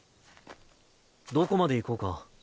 どこまで行こうか？